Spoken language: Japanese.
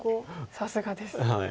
さすがです。